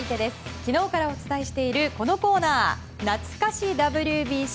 昨日からお伝えしているこのコーナー、なつか史ＷＢＣ。